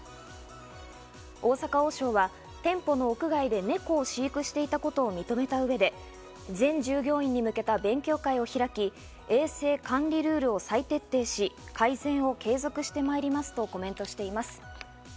大阪王将は店舗の屋外で猫を飼育していたことを認めた上で、全従業員に向けた勉強会を開き、衛生管理ルールを再徹底し、改善を継続してまいりますとコメントしています。